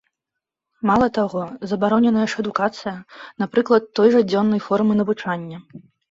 Мала таго, забароненая ж адукацыя, напрыклад, той жа дзённай формы навучання.